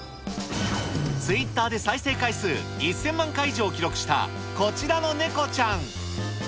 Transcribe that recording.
ツイッターで再生回数１０００万回以上記録したこちらのネコちゃん。